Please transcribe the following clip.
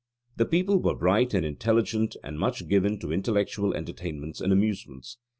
The people were bright and intelligent and much given to intellectual entertainments and amusements.